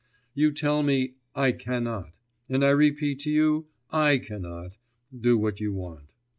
You tell me, "I cannot"; and I repeat to you, "I cannot ..." do what you want.